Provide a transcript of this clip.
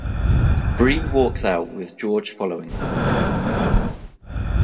Bree walks out with George following her.